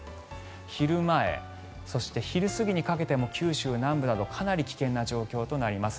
昼前、そして昼過ぎにかけても九州南部などかなり危険な状況となります。